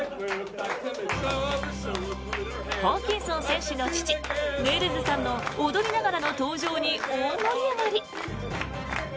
ホーキンソン選手の父ネルズさんの踊りながらの登場に大盛り上がり。